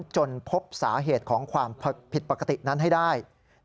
จนพบสาเหตุของความผิดปกตินั้นให้ได้